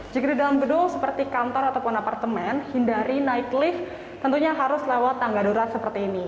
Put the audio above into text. jika di dalam gedung seperti kantor ataupun apartemen hindari naik lift tentunya harus lewat tangga darurat seperti ini